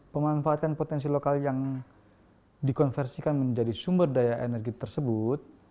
pemanfaatan potensi lokal yang dikonversikan menjadi sumber daya energi tersebut